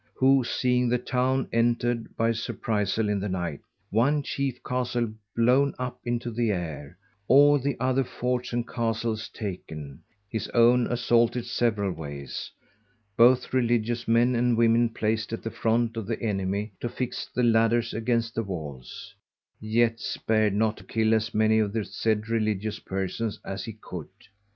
_who, seeing the Town enter'd by surprizal in the night, one chief Castle blown up into the Air, all the other Forts and Castles taken, his own assaulted several ways, both Religious men and women placed at the front of the Enemy to fix the Ladders against the Walls; yet spared not to kill as many of the said Religious persons as he could.